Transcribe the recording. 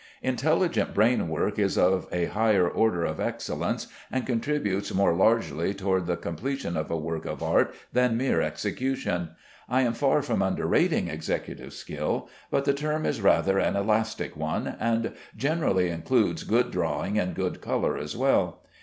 Intelligent brain work is of a higher order of excellence, and contributes more largely toward the completion of a work of art than mere execution. I am far from underrating executive skill, but the term is rather an elastic one, and generally includes good drawing and good color as well.